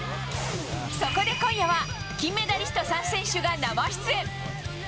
そこで今夜は金メダリスト３選手が生出演。